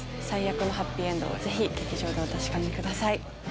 最悪なハッピーエンドをぜひ劇場でお確かめください。